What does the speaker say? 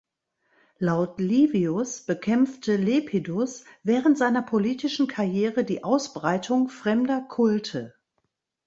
Laut Livius bekämpfte Lepidus während seiner politischen Karriere die Ausbreitung fremder Kulte.